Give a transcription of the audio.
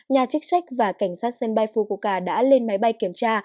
nhà chức trách và cảnh sát sân bay fukoka đã lên máy bay kiểm tra